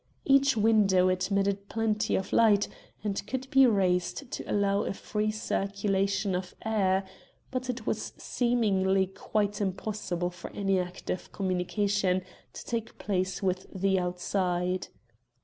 Each window admitted plenty of light, and could be raised to allow a free circulation of air, but it was seemingly quite impossible for any active communication to take place with the outside.